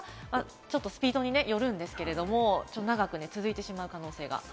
ちょっとスピードによるんですけれども、長く続いてしまう可能性が。